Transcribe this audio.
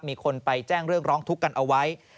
มีคนไปแจ้งเรื่องร้องทุกข์กันเอาไว้